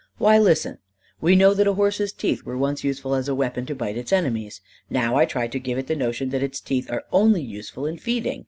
Why, listen. We know that a horse's teeth were once useful as a weapon to bite its enemies. Now I try to give it the notion that its teeth are only useful in feeding.